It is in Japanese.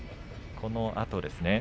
このあとですね。